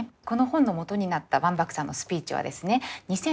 この本のもとになったワンバックさんのスピーチはですね